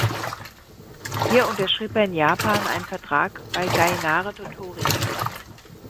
Hier unterschrieb er in Japan einen Vertrag bei Gainare Tottori.